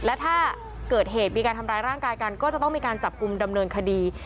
และถ้าเกิดเหตุมีการทำร้ายร่างกายกันก็จะต้องมีการจับกลุ่มดำเนินคดี